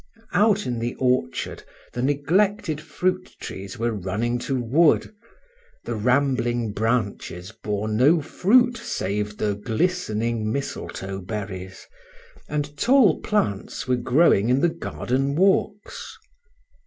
Out in the orchard the neglected fruit trees were running to wood, the rambling branches bore no fruit save the glistening mistletoe berries, and tall plants were growing in the garden walks.